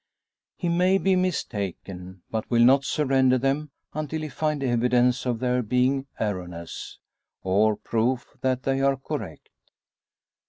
He may be mistaken, but will not surrender them until he find evidence of their being erroneous, or proof that they are correct.